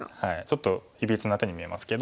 ちょっといびつな手に見えますけど。